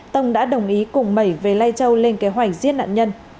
tông đã đồng ý cùng mẩy về lai châu lên kế hoạch giết nạn nhân